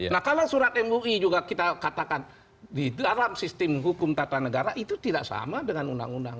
nah kalau surat mui juga kita katakan di dalam sistem hukum tata negara itu tidak sama dengan undang undang